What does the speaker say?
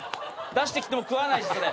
出してきても食わないしそれ。